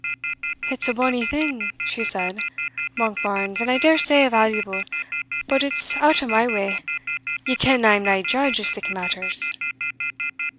"It's a bonny thing," she said, "Monkbarns, and, I dare say, a valuable; but it's out o'my way ye ken I am nae judge o' sic matters."